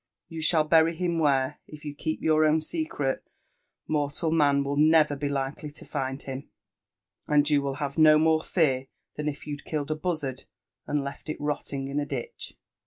You shall bury him where, if you keep your own secret, mortal man will never be likely to find him ; and you will have no more to fear than if you d killed a buzzard and left it rotting in a ditch."